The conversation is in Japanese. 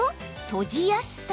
閉じやすさ。